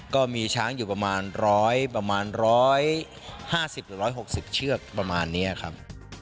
ก็มีช้างอยู่ประมาณ๑๕๐หรือ๑๖๐เชือกประมาณนี้ครับ